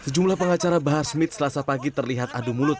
sejumlah pengacara bahar smith selasa pagi terlihat adu mulut